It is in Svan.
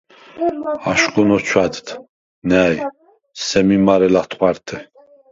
აშხუნ ოჩვა̈დდ ნა̈ სემი მარე ლა̈თხვართე.